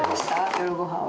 夜ご飯は」